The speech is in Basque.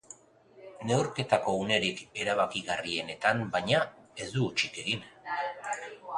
Neurketako unerik erabakigarrienetan, baina, ez du hutsik egin.